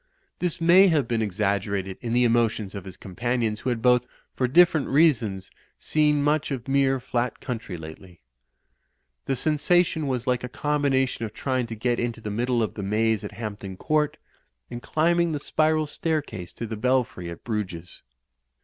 This may have been exaggerated in the emotions of his companions, who had both, for dif ferent reasons, seen much of mere flat country lately. The sensation was like a combination of tryitijf to get into the middle of the maze at Hampton Court, and climbing the spiral staircase to the Belfry at Bruges.